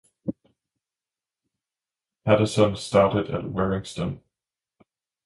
Paterson started at Warriston.